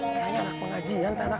kayaknya anak pengajian anak anak